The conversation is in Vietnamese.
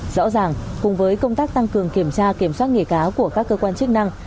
rõ ràng cùng với công tác tăng cường kiểm tra kiểm soát nghề cá của các cơ quan chức năng